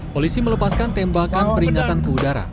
polisi melepaskan tembakan peringatan ke udara